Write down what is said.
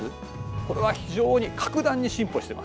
これは非常に格段に進歩してます。